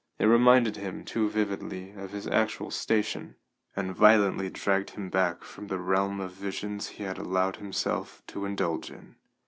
It reminded him too vividly of his actual station, and violently dragged him back from the realm of visions he had allowed himself to indulge in.